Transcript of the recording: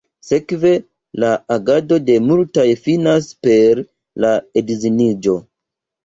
Sekve la agado de multaj finas per la edziniĝo.